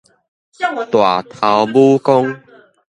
大頭拇公